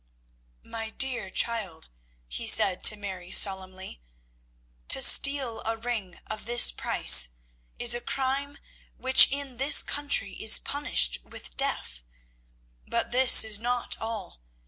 "My dear child," he said to Mary solemnly, "to steal a ring of this price is a crime which in this country is punished with death. But this is not all.